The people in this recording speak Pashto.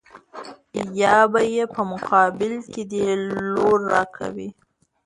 يا به يې په مقابل کې دې لور را کوې.